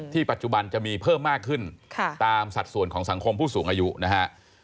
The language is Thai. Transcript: ปัจจุบันจะมีเพิ่มมากขึ้นตามสัดส่วนของสังคมผู้สูงอายุนะฮะ